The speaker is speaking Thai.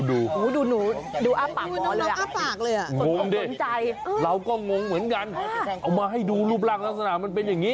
ดูหนูดูอ้าปากหมอเลยอ่ะเราก็งงเหมือนกันเอามาให้ดูรูปร่างลักษณะมันเป็นอย่างนี้